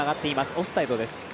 オフサイドです。